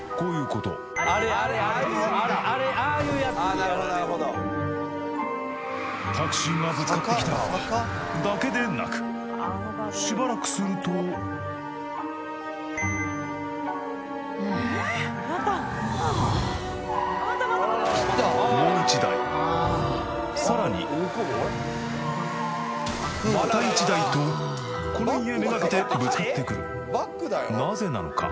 なるほどなるほどタクシーがぶつかってきただけでなくしばらくするとええっ？はあもう１台さらにまた１台とこの家めがけてぶつかってくるなぜなのか？